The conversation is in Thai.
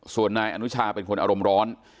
ส่วนนายอนุชาเป็นคนอารมณ์ร้อน